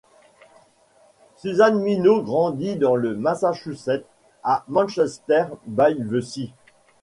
Susan Minot grandit dans le Massachusetts à Manchester-by-the-Sea.